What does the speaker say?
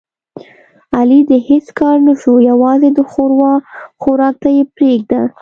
علي د هېڅ کار نشو یووازې د ښوروا خوراک ته یې پرېږده.